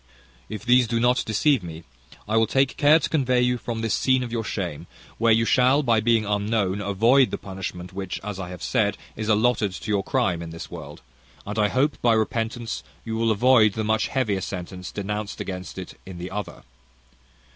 If these do not deceive me, I will take care to convey you from this scene of your shame, where you shall, by being unknown, avoid the punishment which, as I have said, is allotted to your crime in this world; and I hope, by repentance, you will avoid the much heavier sentence denounced against it in the other.